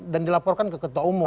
dan dilaporkan ke ketua umum